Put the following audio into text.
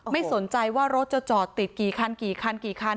ไม่สนใจว่ารถจะจอดติดกี่คัน